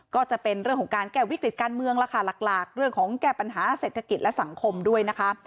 ก็จะเป็นเรื่องของการแก้วิกฤติการเมืองล่ะค่ะหลักเรื่องของแก้ปัญหาเศรษฐกิจและสังคมด้วยนะคะ